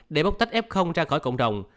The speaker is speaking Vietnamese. để bóc tách f ra khỏi cộng đồng